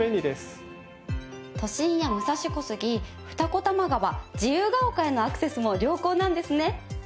都心や武蔵小杉二子玉川自由が丘へのアクセスも良好なんですね！